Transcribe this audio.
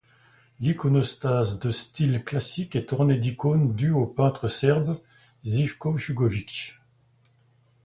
L'iconostase de style classique est ornée d'icônes dues au peintre serbe Živko Jugović.